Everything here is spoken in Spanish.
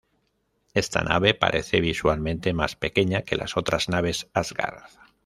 Esta nave parece visualmente más pequeña que las otras naves Asgard.